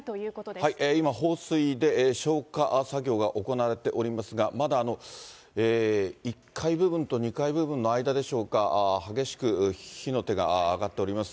今、放水で消火作業が行われておりますが、まだ１階部分と２階部分の間でしょうか、激しく火の手が上がっております。